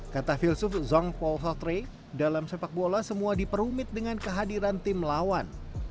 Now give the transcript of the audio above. kata filsuf zongpo sartre dalam sepak bola semua diperumit dengan kehadiran tim lawan